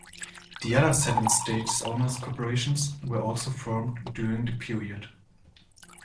The other seven stages' owners' corporations were also formed during the period.